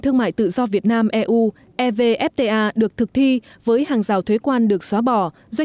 thương mại tự do việt nam eu evfta được thực thi với hàng rào thuế quan được xóa bỏ doanh